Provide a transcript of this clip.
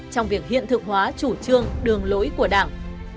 trong việc hiện thực hóa chủ trương đường lối của đảng